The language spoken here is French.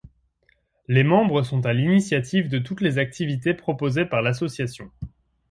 Les membres sont à l'initiative de toutes les activités proposées par l'association.